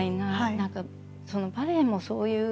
何かバレエもそういう。